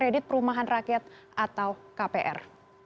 kredit perumahan rakyat atau kpr